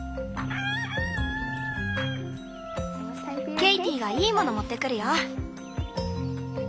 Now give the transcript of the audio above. ケイティがいいもの持ってくるよ。